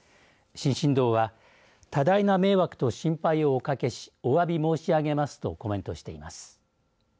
進々堂は多大な迷惑と心配をおかけしおわび申し上げますとコメントしています。